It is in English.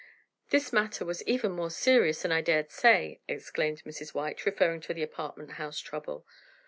"This matter was even more serious than I dared say," exclaimed Mrs. White, referring to the apartment house trouble.